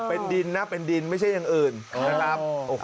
เป็นดินนะเป็นดินไม่ใช่อย่างอื่นนะครับ